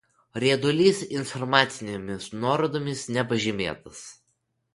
Riedulys informacinėmis nuorodomis nepažymėtas.